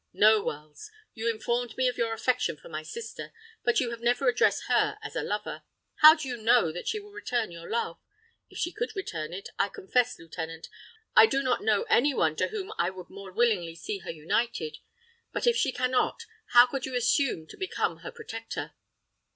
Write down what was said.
"No, Wells. You informed me of your affection for my sister, but you have never addressed her as a lover. How do you know that she will return your love? If she could return it, I confess, lieutenant, I do not know any one to whom I would more willingly see her united; but, if she can not, how could you assume to become her protector?"